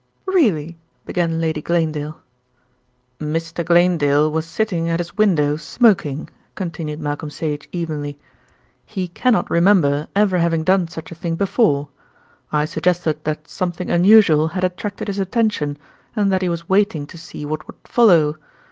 "Really " began Lady Glanedale. "Mr. Glanedale was sitting at his window smoking," continued Malcolm Sage evenly. "He cannot remember ever having done such a thing before. I suggested that something unusual had attracted his attention, and that he was waiting to see what would follow.